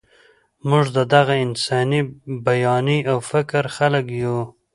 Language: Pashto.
موږ د دغه انساني بیانیې او فکر خلک یو.